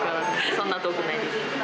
そんな遠くないです。